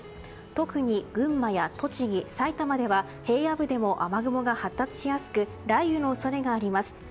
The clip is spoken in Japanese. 特に群馬や栃木、埼玉では平野部でも雨雲が発達しやすく雷雨の恐れがあります。